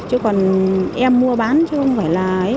chứ còn em mua bán chứ không phải là